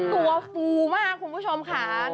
ฟูมากคุณผู้ชมค่ะ